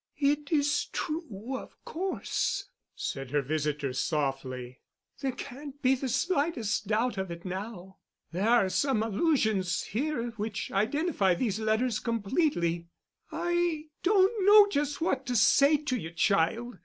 "It is true, of course," said her visitor, softly. "There can't be the slightest doubt of it now. There are some allusions here which identify these letters completely. I don't know just what to say to you, child.